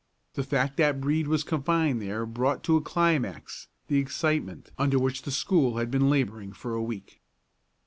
The fact that Brede was confined there brought to a climax the excitement under which the school had been laboring for a week.